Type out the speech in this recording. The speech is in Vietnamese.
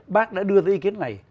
bác đã đưa ra ý kiến này